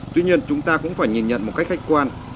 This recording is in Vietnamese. tuy nhiên chúng ta cũng phải nhìn nhận một cách khách quan